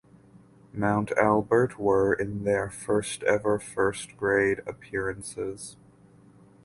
Mount Albert were in their first ever first grade appearances.